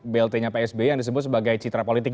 blt nya psb yang disebut sebagai citra politik